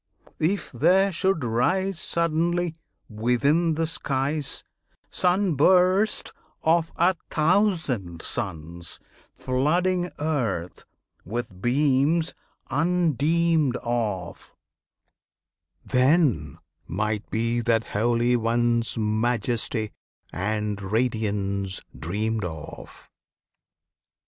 If there should rise Suddenly within the skies Sunburst of a thousand suns Flooding earth with beams undeemed of, Then might be that Holy One's Majesty and radiance dreamed of!